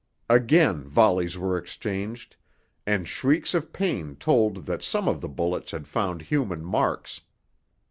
Again volleys were exchanged, and shrieks of pain told that some of the bullets had found human marks.